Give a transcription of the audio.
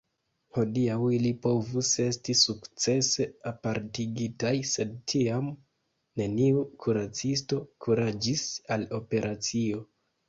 Hodiaŭ ili povus esti sukcese apartigitaj, sed tiam neniu kuracisto kuraĝis al operacio.